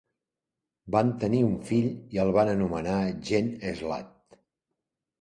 Van tenir un fill i el van anomenar Jean Slade.